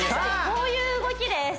こういう動きです